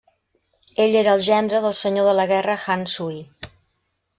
Ell era el gendre del senyor de la guerra Han Sui.